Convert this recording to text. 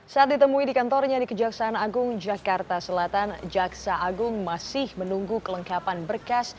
saat ditemui di kantornya di kejaksaan agung jakarta selatan jaksa agung masih menunggu kelengkapan berkas